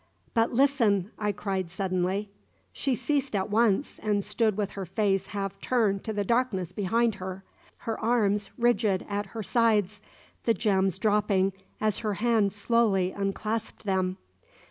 "But listen!" I cried suddenly. She ceased at once, and stood with her face half turned to the darkness behind her, her arms rigid at her sides, the gems dropping as her hand slowly unclasped them.